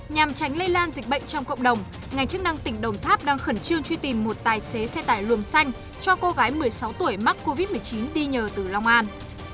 nhằm tránh lây lan dịch bệnh trong cộng đồng ngành chức năng tỉnh đồng tháp đang khẩn trương truy tìm một tài xế xe tải luồng xanh cho cô gái một mươi sáu tuổi mắc covid một mươi chín đi nhờ từ long an